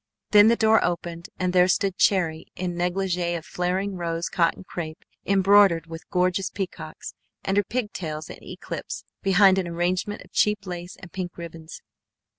Then the door opened and there stood Cherry in negligée of flaring rosy cotton crêpe embroidered with gorgeous peacocks, and her pigtails in eclipse behind an arrangement of cheap lace and pink ribbons.